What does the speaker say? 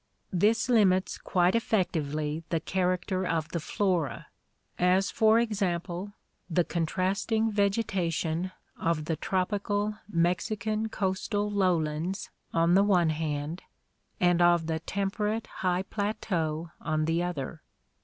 This limits quite effectively the character of the flora, as for ex ample the contrasting vegetation of the tropical Mexican coastal lowlands on the one hand and of the temperate high plateau on the other.